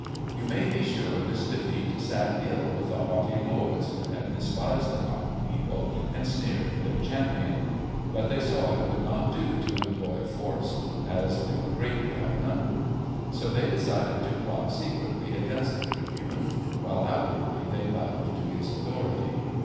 You may be sure this defeat sat ill with the haughty lords who had despised the common people and sneered at their champion. But they saw it would not do to employ force, as they were greatly outnumbered. So they decided to plot secretly against the Tribune while outwardly they bowed to his authority.